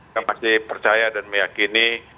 saya masih percaya dan meyakini